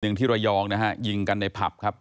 ที่ระยองนะฮะยิงกันในผับครับ